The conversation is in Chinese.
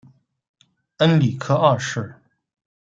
恩里克二世。